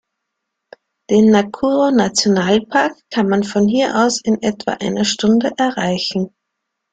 Den Nakuru-Nationalpark kann man von hier aus in etwa einer Stunde erreichen.